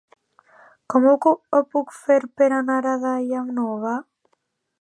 Com ho puc fer per anar a Daia Nova?